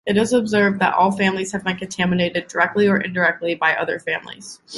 It is observed that all families have been contaminated, directly or indirectly, by other families.